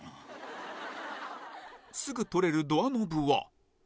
すぐ取れるドアノブは